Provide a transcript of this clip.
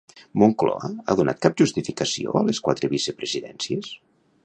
Moncloa ha donat cap justificació a les quatre vicepresidències?